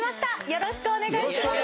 よろしくお願いします。